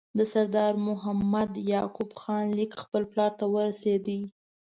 د سردار محمد یعقوب خان لیک خپل پلار ته ورسېد.